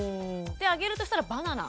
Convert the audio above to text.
あげるとしたらバナナ？